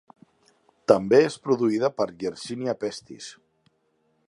També és produïda per "Yersinia pestis".